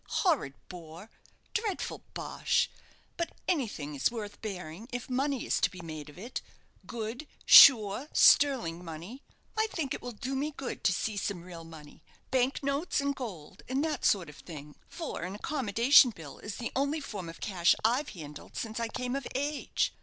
Horrid bore dreadful bosh; but anything is worth bearing if money is to be made of it good, sure, sterling money. I think it will do me good to see some real money bank notes and gold, and that sort of thing for an accommodation bill is the only form of cash I've handled since I came of age.